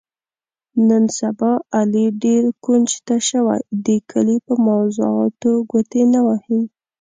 نن سبا علي ډېر کونج ته شوی، د کلي په موضاتو ګوتې نه وهي.